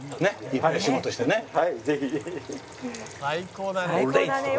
「最高だね」